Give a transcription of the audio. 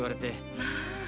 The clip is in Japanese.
まあ！